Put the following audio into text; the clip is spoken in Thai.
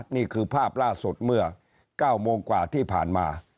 นี่คือภาพล่าสุดเมื่อ๙โมงกว่าที่ผ่านมา